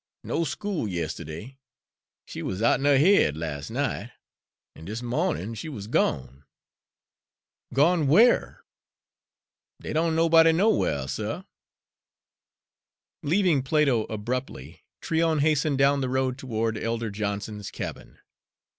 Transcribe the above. No school yistiddy. She wuz out'n her haid las' night, an' dis mawnin' she wuz gone." "Gone where?" "Dey don' nobody know whar, suh." Leaving Plato abruptly, Tryon hastened down the road toward Elder Johnson's cabin.